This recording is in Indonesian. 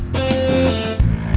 saya akan menemukan mereka